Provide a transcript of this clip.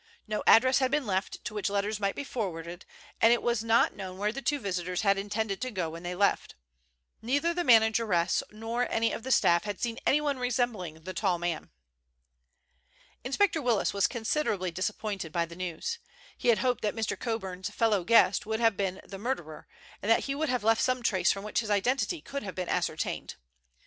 No address had been left to which letters might be forwarded, and it was not known where the two visitors had intended to go when they left. Neither the manageress nor any of the staff had seen anyone resembling the tall man. Inspector Willis was considerably disappointed by the news. He had hoped that Mr. Coburn's fellow guest would have been the murderer, and that he would have left some trace from which his identity could have been ascertained.